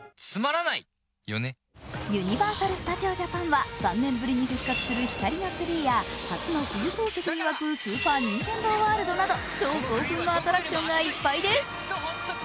ユニバーサル・スタジオ・ジャパンは３年ぶりに復活する光のツリーや初の冬装飾にわくスーパー・ニンテンドー・ワールドなど超興奮のアトラクションがいっぱいです。